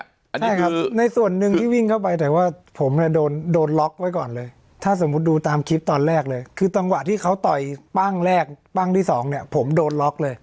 ใช่ครับในส่วนหนึ่งที่วิ่งเข้าไปแต่ว่าผมเนี่ยโดนโดนล็อกไว้ก่อนเลยถ้าสมมุติดูตามคลิปตอนแรกเลยคือจังหวะที่เขาต่อยปั้งแรกปั้งที่สองเนี่ยผมโดนล็อกเลย